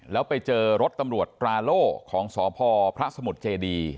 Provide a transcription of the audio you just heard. แล้วไปเจอรถตำรวจตราโล่ของสพพระสมุทรเจดี